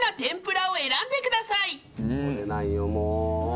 これなんよもう。